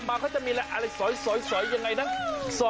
มอลำคลายเสียงมาแล้วมอลำคลายเสียงมาแล้ว